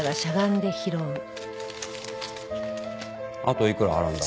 であといくら払うんだっけ？